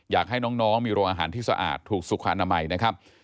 อยากให้น้องมีโรงอาหารที่สะอาดถูกสุขอนามัยนะครับ